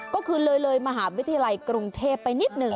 ก็คือเลยมหาวิทยาลัยกรุงเทพไปนิดหนึ่ง